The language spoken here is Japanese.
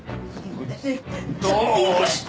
どうして！